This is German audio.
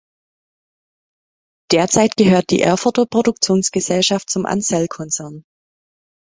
Derzeit gehört die Erfurter Produktionsgesellschaft zum Ansell-Konzern.